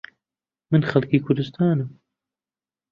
من خەڵکی کوردستانم.